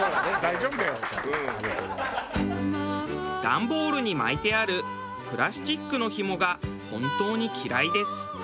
段ボールに巻いてあるプラスチックのヒモが本当に嫌いです。